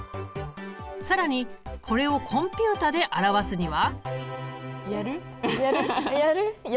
更にこれをコンピュータで表すには？